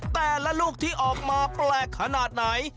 แต่ละลูกที่ออกมาแปลกขนาดไหน